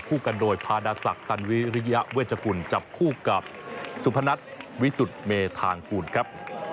ทรักษักตรรวิริยเวชกุลจับคู่กับสุพนัทวิสุทธิ์เมทางปุ่นครับ